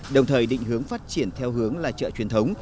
đồng thời định hướng phát triển theo hướng là chợ truyền thống